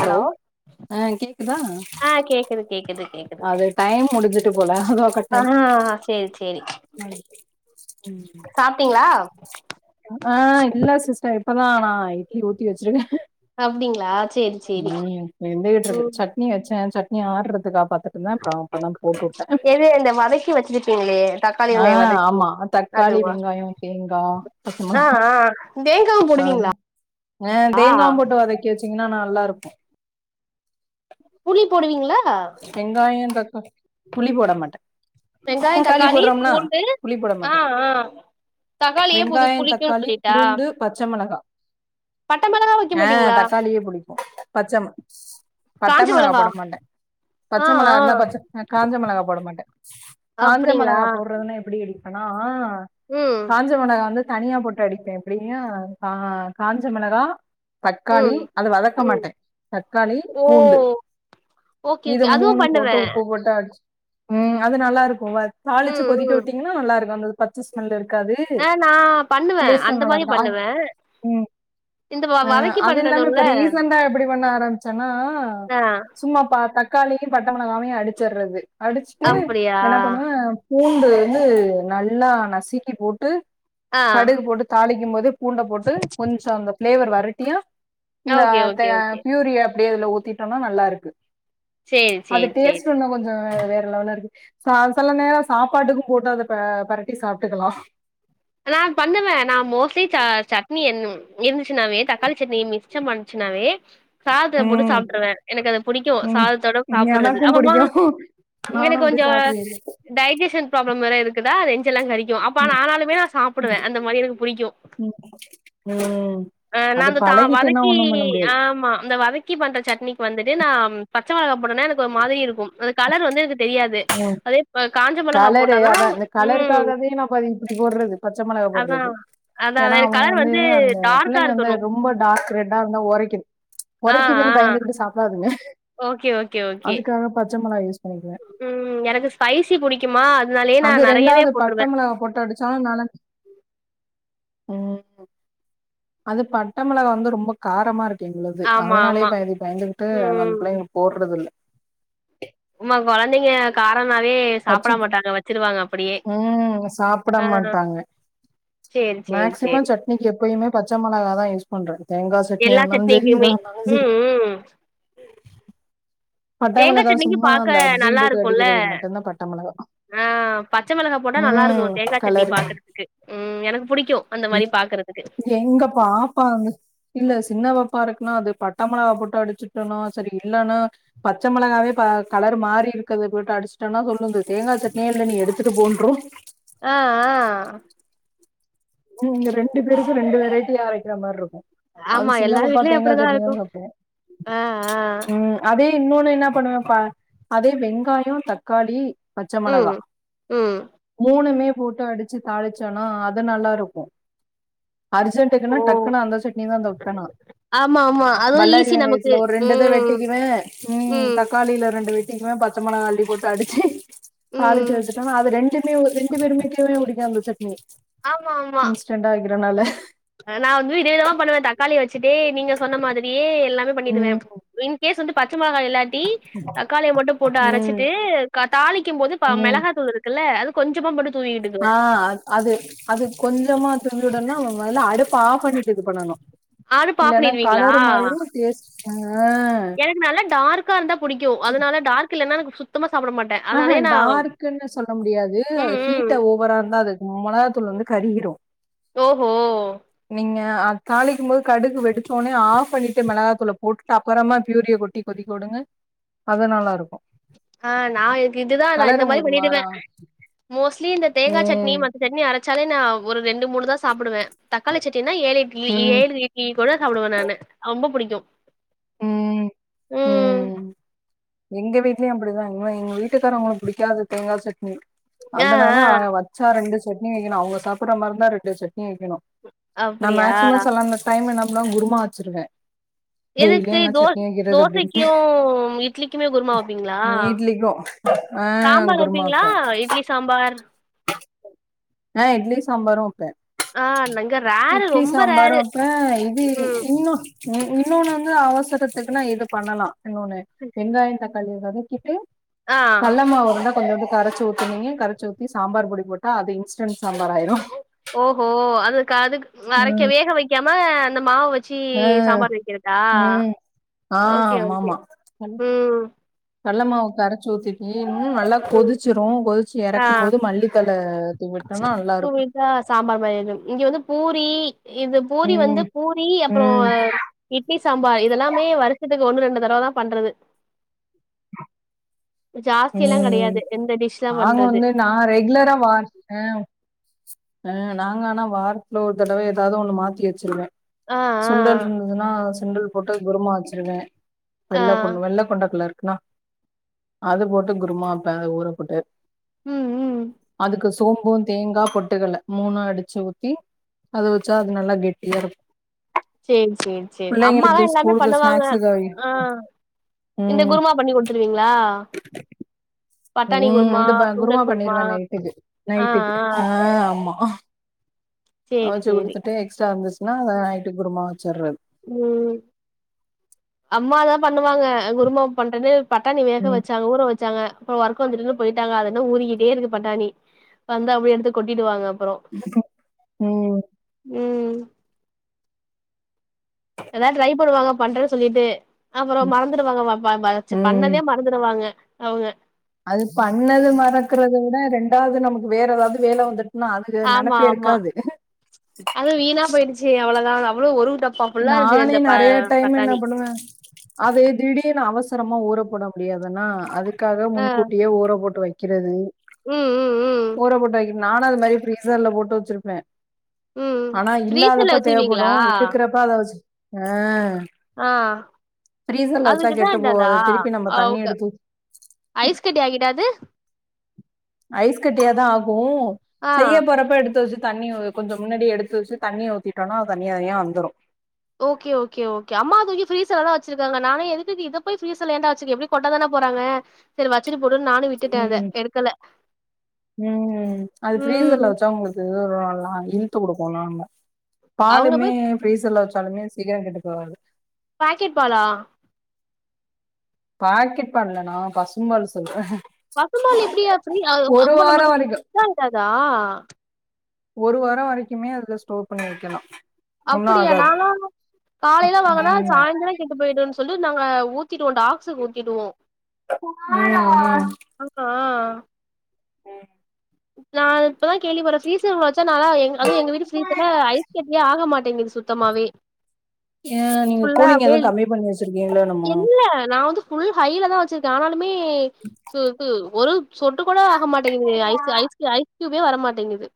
Hello ஆ கேக்குதா ஆ கேக்குது கேக்குது கேக் அது டைம் முடிஞ்சிட்டு போல அதா கட் ஆ ஆயிட் [unintelligible] சேரி சாப்ட்டீங்களா ஆ இல்ல சிஸ்டர் இப்பதா நா இட்லி ஊத்தி வெச்சிருக்கே அப்டிங்களா சேரி சேரி ம் ம் வெந்துகிட்ருக்கு சட்னி வெச்சே சட்னி ஆடுறதுக்கு காப்பாத் எது இந்த வதக்கி வச்சிருப்பீங்ளே ஆ ஆமா அ தக்காளி வெங்காயோ தேங்கா பச்ச ஆ மெளகா ஆ தேங்கா ஆ தேங்காவும் போட்டு வதக்கி வெச்சீங்கன்னா நல்லாருக்கு புளி போடுவீங்ளா வெங்காயோ தக்கா புளி போட மாட்டே வெங்காய தக்காளி போட்றம்னா பூண்டு புளி போட ஆ மாட்டே ஆ தக்காளியே புது வெங்காயோ புளிக்குன்னு தக்காளி சொல்லிட்டா பூண்டு பச்ச மெளகா பட்ட மெளகா வைக்க ஆ மாட்டீங்களா தக்காளியே புடிக்கு பச்ச பச்ச மெளகா போட மாட்டே ஆ பச்ச ஆ மெளகா இருந்தா பச்ச அ காஞ்ச மெளகா போட மாட்டே காஞ்ச அப்டிங்களா மெளகா போட்றதுனா எப்டி ஆனா ம் காஞ்ச மெளகா வந்து தனியா போட்டு அடிப்பே எப்டின்னா கா காஞ்ச மெளகா தக்காளி ம் அத வதக்க ம் மாட்டே தக்காளி ஓ பூண்டு ஓகே இது ஓகே அதுவு மூணு போட்டு பண்ணுவே உப்பு போட்டு அடிச்சி ம் அது நல்லாருக்கு வ தாளிச்சி ம் கொதிக்க ம் விட்டீங்ன்னா நல்லா இருக்கு அந்த இது பச்ச ஸ்மெல் இருக்காது ஆ நா பண்ணுவே டேஸ்டு அந்த நல்லா மாரி இருக்கு ஆ பண்ணுவே ம் இந்த வ ஆ வதக்கி அது இல்லாம பண்றதுல்ல இப்ப ரீசண்டா எப்டி பண்ண ஆரம்பிச்சன்னா ஆ சும்மா பா தக்காளியு பச்ச மெளகாவயு அடிச்சறது அடிச்சிட்டு அப்டியா என்ன பண்ணுவே பூண்டு வந்து நல்லா நசுக்கி போட்டு ஆ கடுகு போட்டு தாளிக்கும் போது பூண்ட போட்டு கொஞ்சோ அந்த ஃப்ளேவர் வரட்டியா இந்த ஓகே தே ஓகே ஓகே ப்யூரிய அப்டியே அதுல ஊத்திட்டோனா நல்லாருக்கு சேரி அது சேரி சேரி டேஸ்ட்டு இன்னு கொஞ்சோ வே வேற லெவல்லரு சா செல நேரோ சாப்பாட்டுக்கு போட்டு அத பெ பெரட்டி சாப்ட்டுக்கலா நா பண்ணவே நா மோஸ்ட்லி ச சட்னி என்னு இருந்துச்சின்னாவே தக்காளி சட்னி மி ச்சம் பண்ச்சினாவே சாததுல போட்டு ம் சாப்ருவே எனக்கு அது புடிக்கு ம் சாதத்தோட சாப்புறது எனக்கும் அப்பறமா புடிக்கு நானு எனக் அப்டி கொஞ்சோ சாப்டுவே டைஜிசன் ப்ராப்ளம் வேற இருக்குதா நெஞ்செல்லா கரிக்கு அப்ப ம் ஆனாலுமே நா சா ப்படுவே அந்த மாரி எனக்கு புடிக்கு ம் ம் ம் ஆ அது நாந்த தா பழகிட்டேன்னா வதக்கி ஒண்ணும் பண்ண முடியாது ஆ ஆமா அந்த வதக்கி பண்ற சட்னிக்கு வந்துட்டு நா பச்சை மெளகா போட்டோனே எனக்கு ஒரு மாதிரி இருக்கு அது கலர் வந்து எனக்கு தெரியாது ம் [unintelligible] இப்ப காஞ்ச மொளகா கலரு போட்டா அதா தான் அந்த ம். கலருக்காகவே நம்ப இப்டி போட்றது பச்ச மெளகா அதான். போட்றது அதான் ஏனா எனக்கு அவுங்க கலர் வந்து அந்த டார்க்கா பிள்ளைங்க வந்து இருக்கணும். ரொம்போ டார்க் ரெட்டா இருந்தா உரைக்கிது ஆ, உறைக்கிதுன் ஆ. பயந்துட்டு சாப்பிடாதுங்க ஓகே ஓகே ஓகே பச்ச மெளகா யூஸ் பண்ணிக்குவே ம் எனக்கு ஸ்பைசி புடிக்குமா அதனாலயே நா நெறையாவே போட்ருவே ஆ போட்டோ எடுத் [unintelligible] ம் அது பட்ட மெளகா வந்து ரொம்ப காரமா இருக்கு எங்களது ஆமா, அதனாலயே ஆமா. பாதி பய்ந்துகிட்டு நா அந்த ம். பிள்ளைங்களு போட்றதில்ல மா கொழந்தைங்க காரனாவே சாப்பிட பச்சை மாட்டாங்க வச்சிருவாங்க அப்படியே ம் சாப்பிட ஆ மாட்டாங்க சேரி சேரி சேரி இன்னைக்கு எப்பயுமே பச்ச மெளகா தா யூஸ் பண்றே தேங்கா சட்னியா எல்லா இருந்தாலு சரி இதா சட்னிக்குமே. இருந்தாலு சரி ம், ம் பட்டை தேங்கா மிளகா சட்னிக்கு சும்மா பாக்க அந்த நல்லா அர்ஜென்ட்டுக்கு இருக்குல்ல அடிக்கிறதுக்கு மட்டும்தான் பட்டை மிளகா ஆ பச்ச மிளகா போட்டா நல்லா ம் இருக்கும் தேங்கா சட்னி கலரு பாக்குறதுக்கு ம் எனக்கு புடிக்கும் அந்த மாரி பாக்குறது எங்க பாப்பா வ இல்ல சின்னவப்பா இருக்குன்னா அது பட்ட மளாவா போட்டு அடிச்சுட்டனும் சரி இல்லன்னா பச்ச மொளகாவே ப கலர் மாறி இருக்கத போட்டு அடிச்சுட்டோனா சொல்லும் இந்த தேங்காச்சட்னியே இல்ல நீ எடுத்துட்டு போன்ரும் ஆ ஆ ம் இங்க ரெண்டு பேருக்கு ரெண்டு வெரைட்டி அரைக்கிற மாறிருக்கும் அது ஆமா சின்ன எல்லார் பப்பா வீட்லயு தேங்காச் அப்டிதா சட்ணிதா இருக்கு சாப்டும் ஆ ஆ ம் அதே இன்னொன்னு என்னா பண்ணுவப்ப அதே வெங்காயோ தக்காளி பச்ச ம் மொளகா ம் மூணுமே போட்டு அடிச்சு தாளிச்சோனா அது நல்லா இருக் க்கும் ஓ அர்ஜென்ட்டுக்குனா டக்குனு அந்த சட்னிதா வந்து வப்பெனா ஆமா ஆமா அதுவு பல்லாரி ஈஸி நமக்கு வெங்காயத்துல ஒரு ரெண்டுயித ம் வெட்டிக்கிவே ம் தக்காளியில ரெண்டு வெட் டிக்குவே பச்சமொளகா அள்ளி போட்டு அடிச்சி ம் தாளிச்சிவச்சிட்டமா அது ரெண்டுமே ரெண்டு பேருமீட்டயுமே புடிக்கும் அந்த சட்னி ஆமா ஆமா டெண்டா வக்கிறனால நா வந்து விதவிதமா பண்ணுவே தக்காளி வச்சுட்டு நீங்க சொன்ன மாதிரியே எல்லாமே பண்ணிடுவே ம், இன்கேஸ் வந்து பச்ச மொளகா இல்லாட் ட்டி தக்காளிய மட்டும் போட்டு ம், அரச்சிட்டு தாளிக்கும் போது ம். மிளகா தூள் இது க்குல்ல அது கொஞ்சமா போட்டு ஆ அது அது கொஞ்சமா தூவிடனு மொதல்ல அடுப்ப ஆஃப் பண்ணிட்டு இது பண்ணணு அடுப்ப ஆஃப் இல்லனா பண்ணிடுவீங்களா கலறு மாறிரும் டேஸ்ட் ஆ னால டார்கா இருந்தா புடிக்கும் அதனால டார்க் இல்லனா சுத்தமா சாப்பிட மாட்டே ஆஹா அதனாலயே நா டார்க்கன்னு சொல்ல முடியாது ம் ம் ஹீட்ட ஓவரா இருந்தா அது மொளகா தூள் வந்து கறிகிரும் ஓஹோ நீங்க தாளிக்கும் போது கடுகு வெடிச்சோனே ஆஃப் பண்ணி ட்டு மிளகாத்தூள போட்டு அப்பறமா பியூரிய கொட்டி கொதிக்க வுடுங்க அது நல்லா இருக்கும் ஆ நா எனக்கு இதுதா நா இந்த மாறி உங்களுக்கு பண்ணிடுவே மாறா மோஸ்ட்லி இந்த தேங்கா சட்னி ம் மத்த சட்னி அரச்சாலே நா ஒரு ரெண்டு மூணு தா சாப்புடுவே தக்காளி சட்டினா ஏழு இட்லி ம் ஏழு இட்லி கூட சாப்பிடுவே நானு ரொம்ப புடிக்கும் ம் ம் எங்க வீட்லயும் அப்புடிதா என்மோ எங்க வீட்டுக்காரவங்களுக்கு புடிக்காது தேங்காசட்னி ஆ அதனால ஆ வச்சா ரெண்டு சட்னி வக்கினு அவுங்க சாப்பிடுற மாறிந்தா ரெண்டு சட்னி வக்கிணும் நா அப்டியா மேக்சிமம் செல்ல அந்த டைம் என்னா பண்ணுவே குருமா வச்சிருவே டெய்லி எதுக்கு என்ன தோஸ் சட்னி வைக்கிறது அப்டின்ட்டு தோசக்கும் இட்லிக்குமே குருமா வப்பீங்களா இட்லிக்கு ஆ சாம்பார் குருமா வப்பீங்ளா வப்பே இட்லி சாம்பார் ஆ இட்லி சாம்பாரும் வப்பே ஆ இங்க ரேரு இட்லி ரொம்ப ரேரு சாம்பாரும் வப்ப இது ம் இன்னும் உ இன்னொன்னு வந்து அவசரத்துக்குன்னா இது பண்ணலா இன்னோன்ணு வெங்காய தக்காளிய வதக்கிட்டு ஆ புது மாவு இருந்தா கொஞ்சோண்டு கரச்சி ஊத்துனீங்க கரச்சி ஊத்தி சாம்பார் பொடிபோட்டா அது இன்ஸ்டண்ட் சாம்பார் ஆயிரு ஓஹோ அதுக்கு அதுக் அரைக்க ம் வேக வக்காம அந்த மாவ வச் சி ஆ சாம்பார் வக்கிறதா ம் ஆ ஓகேஓகே ம் கல்லமாவு கரச்சி ஊத்திட்டி இன்னு நல்லா ம் கொதிச்சிரும் கொதிச்சு ஆ எறக் கும்மோது மல்லித்தழ தூவிட்டோனா நல்லா இருக்கு இதா‌ சாம்பார் மேரி ஆய்ரு அஇங்க வந்து பூரி இது பூரி வந்து ம் பூரி அப்பறோ ம் இட்லி சாம்பார் இதெல்லாமே வருஷத்துக்கு ஒண்ணு ரெண்டு தடவதா பண்றது ஜாஸ்திலா ம் கடையாது எந்த டிஷ்லா நாங்க பண்றது வந்து நா ரெகுலரா வா அ அ நாங்க ஆனா வாரத்துல ஒரு தடவ ஏதாவது ஒண்ணு மாத்தி வச்சிருவே ஆ சுண்டல் இருந்துதுன்னா சுண்டல் போட்டு குருமா வச்சிருவே ஆ ஆ வெள்ளகொண் வெள்ள கொண்டக்கல்ல இருக்குன்னா அது போட்டு குருமா வப்பன் அது ஊற போட்டு ம் ம் அதுக்கு சு சோம்பு தேங்கா பொட்டுக்கல்ல மூணு அடிச்சி ஊத்தி அத வச்சா அது நல்லா கெட்டியா இருக்கு சேரி சேரி சேரி அம்மாதா எல்லாமே ஸ்கூலுக்கு பண்ணுவாங்க ஸ்நாக்ஸுக்கு ஆ இந்த ம் குருமா பண்ணி குடுத்துருவீங்களா பட்டாணி ம் குருமா இந்த ப சுண்டல் குருமா பண்ணிருவேன் நைட்டுக்கு ஆ ஆ நைட்டுக்கு ஆ ஆமா சேரி சேரி இதே எக்ஸ்ட்ரா இருந்துச்சுன்னா அத நைட்டு குருமா வச்சுர்றது ம் அம்மாதா பண்ணுவாங்க குருமா பண்றது பட்டாணிவேக ம் வச்சாங்க ஊற வச்சாங்க அப்ப ஒர்க வந்துட்டுனு போயிட்டாங்க அது இன்னு ஊறிகிட்டே இருக்கு பட்டாணி வந்து அப்டியே எடுத்து கொட்டிட்டுவாங்க அப்புறோ ம் ம் ஏதாவது ட்ரை பண்ணுவாங்க பண்றன்னு சொல்லிட்டு அப்புறோ ம் மறந்துடுவாங்க வ ப ப வச் ம் பண்ணதே மறந்துருவாங்க அவுங்க அது பண்ணது மறக்கறத விட ரெண்டாவது நமக்கு வேற ஏதாவது வேல வந்துட் ஆமா ஆமா அதுவு வீணா போயிடுச்சு அவ்ளோதா அது அவ்ளோ ஒரு டப் நானே நறையா டைம் என்னா பண்ணுவ அதே திடீர்னு அவசரமா ஊற போட முடியாதுன்னா அதுக்காக ஆ முன்கூட்டியே ஊற போட்டு வை வக்கிறது ம் ம் ம் ஊற போட்டு வக்கி நானு அது மாறி ஃப்ரீசர்ல போட்டு வச்சிருப்ப ம் ஆனா ஃப்ரீசர்ல இல்லாதப்பா தேவப்படு வச்சிருவீங்களா இருக்கிறப்பா அத வச்சு ஆ‌ ஆ அதுக்கு கெட்டு இதாயிடாதா போகாது. திருப்பி நம்ம ஆ தண்ணி ஓகே எடுத்து ஊத் ஐஸ் கட்டி ஆகிடாது ஐஸ் கட்டியாதா ஆகு ஆ செய்ய போறப்ப எடுத்து வச்சு தண்ணி கொஞ்சோ முன்னடியே எடுத்து வச்சு தண்ணிய ஊதிட்டோ நா அது தண்ணி தனியா வந்துரு ஓகே ஒஓே ஓகே அம்மா தூக்கி ஃப்ரீஸ்ர் ல தா வெச்சுருக்காங்க நானு எதுக்கு இத போய் ஃப்ரீஸ்ர்ல ஏற்டா வச்சிருக்க எப்டி கொட்டா தான போறாங்க சரி வச்சிட்டு போடுன்னு நானு விட்டுட்ட அத எடுக்கல ம் ம் அது ம் ஃப்ரீசர்ல வச்சா உங்களுக்கு [unintelligible] இழுத்து குடுக்கு நம்ம அவங்க பாலுமே போய் ஃப்ரீஸ்ர் ல வெச்சாலுமே சீக்கிரோ கெட்டு போவாது பாக்கெட் பாலா பாக்கெட் பால் இல்ல நா பசும்பால் சொல்ற பசும்பால் எப்டி ஆக்ச்சுலி அ அம்ம நமக்கு வரைக்கும் இதாய்ங்ட்டாதா ஒரு வாரோ வரைக்குமே அதுல ஸ்டோர் பண்ணி வைக்கலா அப்புடியா நாலா காலேல வாங்குனா ம். சாய்ந்திரோ கெட்டு போய்டுன் சொல்லி நாங்க ஊத்திடுவோ டாக்ஸுக் ஊத்திடுவோ ம் ம் ஆன்க்கா ம் நால் இப்பதா கேள்விபறே ஃப்ரீஸர்குள்ள நாலா எங்க்ள் அதூ எங்க வீட்டு ஃபிரீஸர்ல ஐஸ்கெட்யா ஆக மாட்டேங்குது சுத்தமாவே ஏன் நீங்க ஃபுல்லா கூலிங் அப்டியே எதுவும் இல்லங்க கம்மி பண்ணி வச்சிருக்கீங்களோ என்னமோ இல்ல நா வந்து ஃபுல் ஹைலதா வச்சிருக்கே ஆனாலுமே சு து ஒரு சொட்டு கூட ஆக மாட்டேங்குது ஐஸ் ஐஸ்கியுபே வரமாட்டேங்குது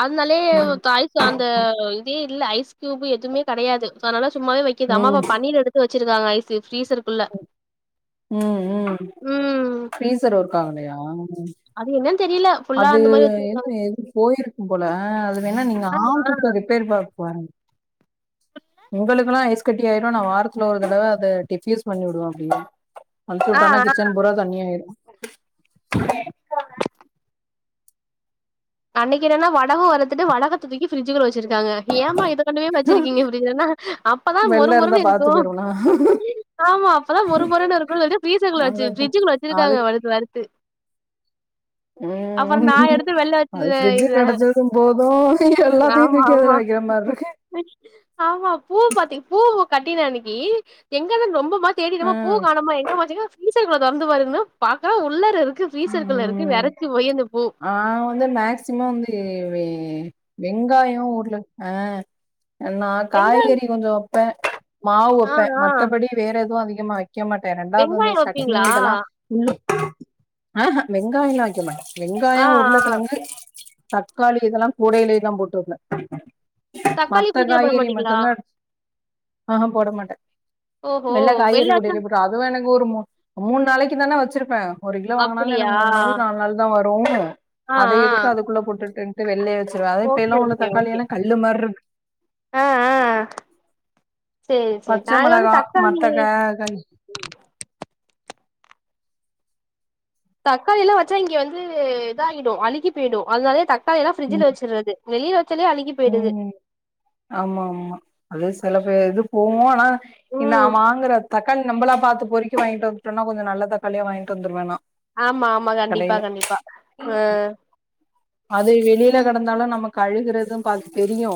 அதுனாலே ஒ ம் தாய்ஸு அந்த இதே இல்ல ஐஸ்கியூபு எதுமே கடையாது சோ அதுனால சும்மாவே வை க்கிது அம்மாவ பன்னீர் எடுத்து வச்சிருக்காங்க ஐஸு ஃபிரீஸருக்குள்ள ம் ம் பிரீஸர் ஒர்க் ஆகலையா அது என்னன் தெரில அது என்ன ஏன் இப்டி போயிருக்கும் போல ஆ அது வேணா நீங்க ஆள் கூப்ட்டு ரிப்பேரு பாக்ஸ் வாங்கி எங்களுகுலா ஐஸ் கட்டி ஆய்ரு நா வாரத்துல ஒரு தடவை அத டெஃப்யூஸ் பண்ணி உடுவ அப்டினா அம்த்தி ஆ உட்டோனா கிச்சன் பூரா தண்ணியாய்டு [inaudible] அன்னிக்கு என்னனா வடகோ வறத்துட்டு வடகத்த தூக்கி பிரிட்ஜுகுள வச்சிருக்காங்க ஏமா இத கொண்டு போய் ஆயிரும் வச்சிருக்கீங்க அப்டின் சொன்ன அப்பதா மொரு வெளில இருந்தா மொருணு இருக்கூ பார்த்து போயிருவோம்னா ஆமா அப்பதா மொரு மொருன்னு இருக்குன் ஃப்ரிஷர்ல வச்சு அதான் ஃபிரிட்ஜுகுள்ள அது வச்சிருக்காங்க வருத்து வருத்து ம் நான் எடுத்து வெளில அது வச்சது ஃபிரிட்ஜ் இது கிடச்சதும்போது எல்லாத்தயு ஆமா தூக்கி ஆமா. அதுல வைக்கிற மார்ருக்கு ஆமா பூ பாத்திங் பூ கட்டின அன்னிக்கி எங்கது ரொம்போ மா தேடிட்டமா பூ ம். காணோமா எங்கமா வச்சீங்னா ஃபிரீஸ் சர்குள்ள தொறந்து பாருங்னா பாத்தா உள்ளர இருக்கு ஃபிரீஸர்குள்ள இருக்கு வெரச்சி போயி அந்த பூ நா வந்து மேக்சிமோ வந்து வெய் வெங்காயோ உருள ஆ அன் நா வெங்க காய்கறி கொஞ்சோ வப்பே மாவு ஆ வப்பே ஆ மத்தபடி வேற எதூ அதிகமா வைக் க்கமாட்டே ரெண்டாவ்து அந்த வெங்காயம் சட்னி வப்பீங்களா? இதலா உள்ளு ஆ ஹ வெங்காயலா வைக்க மாட்ட ஆ வெங்காயோ உருள ஆ கெழங்கு தக்காளி இதலா கூடைலேதா போட்டுவப்ப தக்காளி மத்த ஃப்ரிட்ஜ்ல போட காய்கறி மாட்டீங்களா? மட்டுந்தா ஆ ஹ போட மாட்ட ஓஹோ எல்லா காய்கறி வெள்ளாச்சா கூடேல போட்டு அதுவு எனக்கு ஒரு மூன் மூன் நாளைக்குதான வச்சிருப்ப ஒரு கிலோ வாங்குனாலு அப்டியா எனக்கு மூன் நாள் நால் நாள் வரூ ஆ ஆ அத எதுக்கு அதுக்குள்ள போட்டுட்டுன்ட்டு வெள்லே வச்சிருவ அது இப்ப ஓகே எல்லா உள்ள ஓகே ஓகே தக்காளியெல்லா கல்லு மார்ருக்கு ஆ ஆ சேர் சேரி நாங்க வந்து தக்காளி அதாங் தக்காளிலா வச்சா இங்க வந்து இதாகிடு அழுகி பேய்டு அதுனாலயே தக்காளியெலா ஃபிரிட்ஜுல ம் வச்சுர்றது வெளில வச்சாலே அழுகி பேய்டுது ம். ஆமா ஆமா அது சில பே இது போகு ஆனா இன்னா ம் வாங்குற தக்காளி நம்ளா பாத்து பொரிக்கி வாங்கிட்டு வந்துட்டம்னா கொஞ்ச நல்ல தக்காளியா வாங்கிட்டு வந்துருவ நா ஆமா ஆமா கண்டிப்பா கண்டிப்பா ஆ அது வெளில கிடந்தாலு நம்மகழுகறது இப்ப அது தெரியு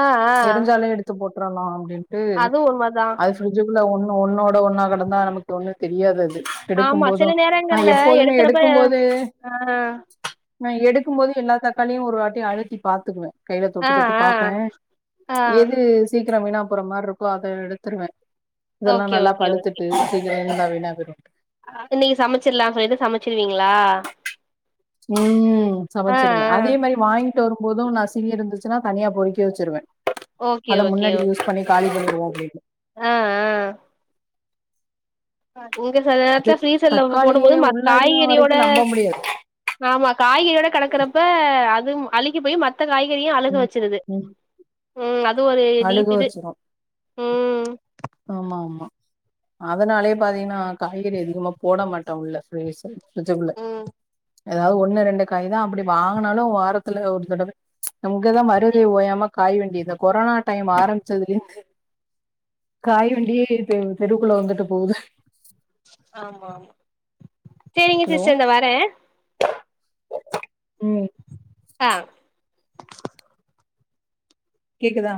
ஆ ஆ தெரிஞ்சாலு எடுத்து போட்டுரலா அப்டின்ட்டு அதுவு உண்மதா அது பிரிஜுக்குள்ள ஒண்ணு ஒன்னோட ஒன்னா கெடந்தா நமக்கு ஒண்ணு தெரியாது அது எடுக்கும் ஆமா போது சில நா நேரங்கள்ல எப்போதுமே எடுக்கிறப்ப எடுக்கும் போது ஆ நா எடுக்கும் போது எல்லா தக்காளியு ஒரு வாட்டி அழுத்தி பாத்துக்குவே கைல ஆ தொட்டு தொட்டு ஆ பாப்பே ஆ எது சீக்கிர வீணா போறமாரி இருக்கு அத எடுத்துறுவே இதெல்லா ஓகே நல்லா ஓகே பழுத்துட்டு [unintelligible] எல்லா வீணா போயிடு இன்னிக்கி சமச்சிர்லா சொல்லிட்டு சமச்சிர்வீங்ளா ம் சமச்சிருவே அதே மாரி வாங்கிட் வரும் போது நசுங்கி இருந்துச்சுன்னா தனியா பொறிக்கி வச்சிருவே ஓகே அத ஓகே முன்னாடி யூஸ் ஓகே பண்ணி காலி பண்ணிர்வோ அப்டினு ஆ ஆ இங்க சில அது நேரத்துல ஃப்ரீசர்ல போடும் தக்காளியே போது மத் உள்ளயு காய்கறியோட வரைக்கு நம்ப முடியாது ஆமா காய்கறியோட கடக்கறப்ப அதுவு அழுகி போய் மத் த காய்கறியு அழுக ம் வச்சிருது ம் ம் அது ஒரு அழுக நீசுது வச்சிரு ம் ஆமா ஆமா அதனாலேயே பாத்தீங்கன்னா காய்கறி அதிகமா போட மாட்டோ உள்ள ப்ரஸுல பிர்ச்சுகுள்ள ம் ஏதாவது ஒண்ணு ரெண்டு காய் தா அப்டி வாங்கினாலு வாரத்துல ஒரு தடவ இங்கதா மருதி ஓயாம காய் வண்டி இந்த கொரோனா டைம் ஆரம்பிச்சதுலிருந்து காய் வண்டியே இப்ப எங் தெருக்குள்ள வந்துட்டு போவ்து ஆமா செரிங்க ஹலோ சிஸ்டர் இந்தா வரே ம் ஆ கேக்குதா